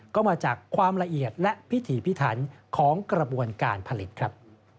ก็มาจากความละเอียดและพิถีพิถันของกระบวนการผลิตครับ